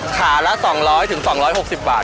ขาละ๒๐๐๒๖๐บาท